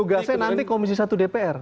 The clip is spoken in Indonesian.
tugasnya nanti komisi satu dpr